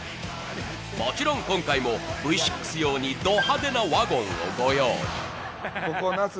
もちろん今回もＶ６用にド派手なワゴンを用意。